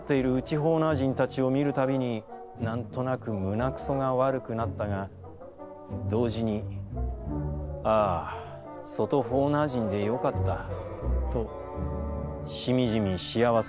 ホーナー人たちを見るたびに何となく胸糞がわるくなったが、同時に、ああ外ホーナー人でよかったとしみじみ幸せをかみしめた」。